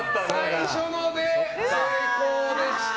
最初ので成功でした。